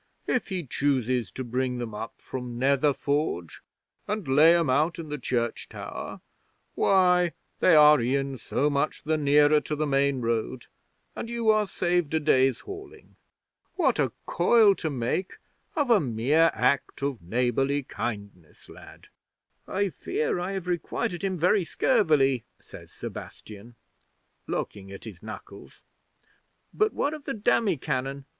If he chooses to bring them up from Nether Forge and lay 'em out in the church tower, why, they are e'en so much the nearer to the main road and you are saved a day's hauling. What a coil to make of a mere act of neighbourly kindness, lad!" '"I fear I have requited him very scurvily," says Sebastian, looking at his knuckles. "But what of the demi cannon?